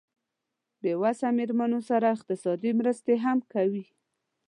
بې وسه مېرمنو سره اقتصادي مرستې هم کوي.